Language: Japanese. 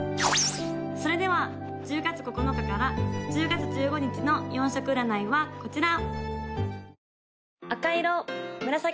・それでは１０月９日から１０月１５日の４色占いはこちら！